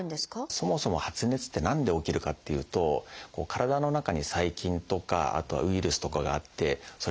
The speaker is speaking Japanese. そもそも発熱って何で起きるかっていうと体の中に細菌とかあとはウイルスとかがあってそれ